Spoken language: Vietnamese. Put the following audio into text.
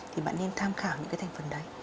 thì bạn nên tham khảo những cái thành phần đấy